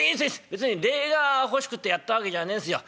別に礼が欲しくてやったわけじゃねえんすよ。